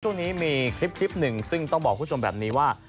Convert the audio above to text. ช่วงนี้มีคลิปหนึ่งซึ่งต้องบอกคุณผู้ชมแบบนี้ว่า